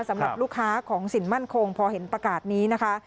สำหรับลูกค้าของสินมั่นคงพอเห็นประกาศนี้นะคะ